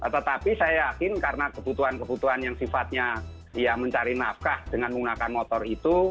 tetapi saya yakin karena kebutuhan kebutuhan yang sifatnya ya mencari nafkah dengan menggunakan motor itu